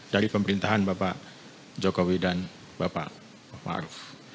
dari pemerintahan bapak jokowi dan bapak maruf